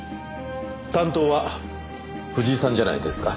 担当は藤井さんじゃないですか？